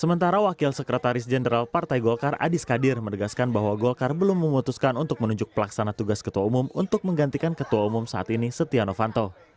sementara wakil sekretaris jenderal partai golkar adis kadir menegaskan bahwa golkar belum memutuskan untuk menunjuk pelaksana tugas ketua umum untuk menggantikan ketua umum saat ini setia novanto